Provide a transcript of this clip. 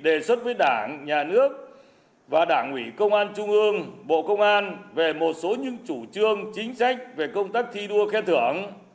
đề xuất với đảng nhà nước và đảng ủy công an trung ương bộ công an về một số những chủ trương chính sách về công tác thi đua khen thưởng